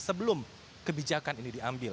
sebelum kebijakan ini diambil